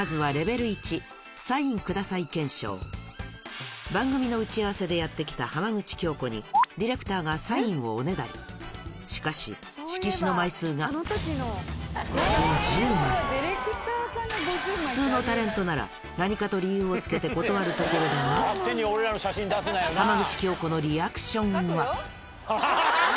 まずは番組の打ち合わせでやって来た浜口京子にディレクターがサインをおねだりしかし色紙の枚数が普通のタレントなら何かと理由をつけて断るところだが浜口京子のハハハハ。